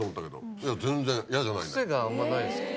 癖があんまないですかね。